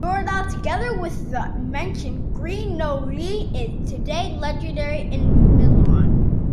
Nordahl, together with the mentioned Gre-No-Li is today legendary in Milan.